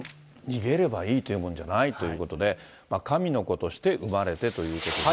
逃げればいいというものじゃないということで、神の子として生まれてということで。